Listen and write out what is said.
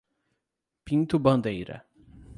Pinto Bandeira